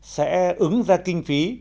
sẽ ứng ra kinh phí